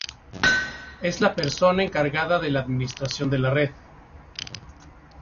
Es la persona encargada de la administración de la red.